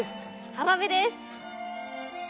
浜辺です！